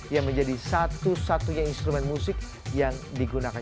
yang menjadi satu satunya instrumen musik yang digunakan